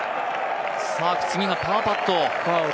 次がパーパット。